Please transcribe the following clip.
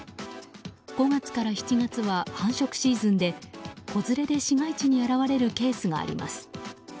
５月から７月は繁殖シーズンで子連れで市街地に現れるケースがあります。